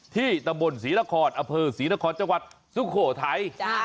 ตำบลศรีนครอเภอศรีนครจังหวัดสุโขทัย